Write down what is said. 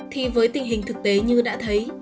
thì với tình hình thực tế như đã thấy